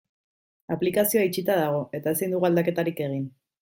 Aplikazioa itxita dago eta ezin dugu aldaketarik egin.